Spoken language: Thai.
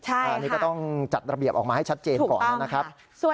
อันนี้ก็ต้องจัดระเบียบออกมาให้ชัดเจนก่อนนะครับ